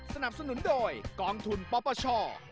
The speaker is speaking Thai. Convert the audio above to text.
สนับสนุนโดยกองทุนป๊อปป้าช่อ